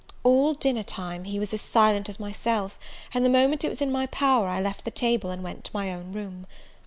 All dinner time he was as silent as myself; and the moment it was in my power I left the table, and went to my own room.